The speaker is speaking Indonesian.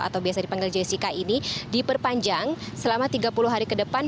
atau biasa dipanggil jessica ini diperpanjang selama tiga puluh hari ke depan